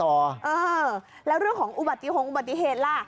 เออแล้วเรื่องของอุบัติฮงอุบัติเหตุล่ะ